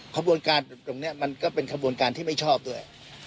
ขบวนการตรงนี้มันก็เป็นขบวนการที่ไม่ชอบด้วย